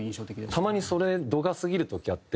たまにそれ度が過ぎる時あって。